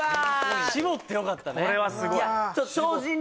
絞ってよかったね